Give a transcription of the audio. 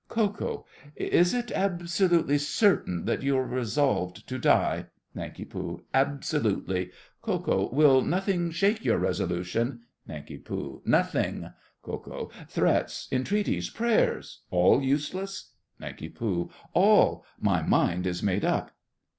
KO. Is it absolutely certain that you are resolved to die? NANK. Absolutely! KO. Will nothing shake your resolution? NANK. Nothing. KO. Threats, entreaties, prayers—all useless? NANK. All! My mind is made up.